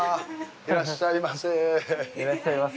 いらっしゃいませ。